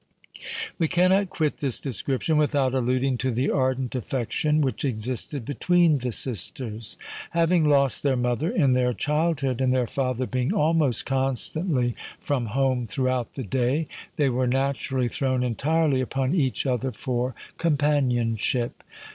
We cannot quit this description without alluding to the ardent affection which existed between the sisters. Having lost their mother in their childhood, and their father being almost constantly from home throughout the day, they were naturally thrown entirely upon each other for companionship.